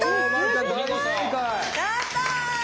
やった！